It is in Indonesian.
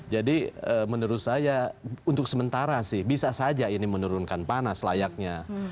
jadi menurut saya untuk sementara sih bisa saja ini menurunkan panas layaknya